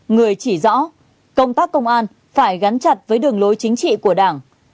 người chỉ rõ công tác công an phải gắn chặt với đường lối chính trị của đảng